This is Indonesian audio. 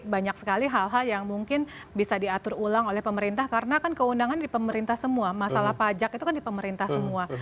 banyak sekali hal hal yang mungkin bisa diatur ulang oleh pemerintah karena kan keundangan di pemerintah semua masalah pajak itu kan di pemerintah semua